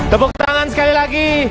tepuk tangan sekali lagi